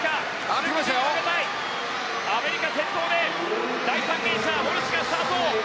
アメリカ、先頭で第３泳者ウォルシュがスタート。